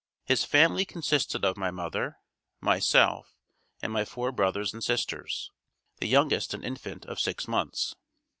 His family consisted of my mother, myself and my four brothers and sisters, the youngest an infant of six months.